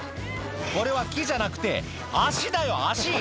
「これは木じゃなくて足だよ足！」